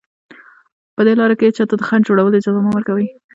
په دې لاره کې هېچا ته د خنډ جوړولو اجازه مه ورکوئ